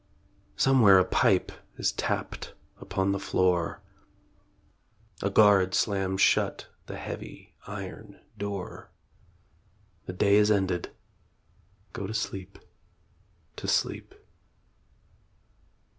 Somewhere a pipe is tapped upon the floor; A guard slams shut the heavy iron door; The day is ended go to sleep to sleep.